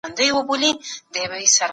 فطري غریزې باید کنټرول سي.